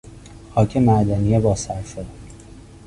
خاک معدنی با صرفه